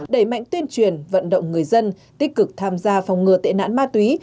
đẩy mạnh tuyên truyền vận động người dân tích cực tham gia phòng ngừa tệ nạn ma túy